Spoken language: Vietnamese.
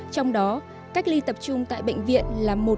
trong đó cách ly tập trung tại bệnh viện là một